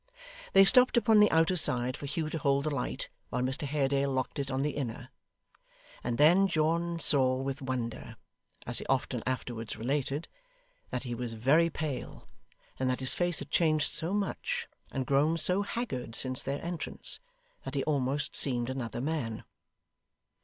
They stopped upon the outer side for Hugh to hold the light while Mr Haredale locked it on the inner; and then John saw with wonder (as he often afterwards related), that he was very pale, and that his face had changed so much and grown so haggard since their entrance, that he almost seemed another man.